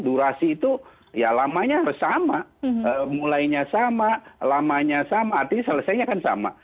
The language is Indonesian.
durasi itu ya lamanya harus sama mulainya sama lamanya sama artinya selesainya kan sama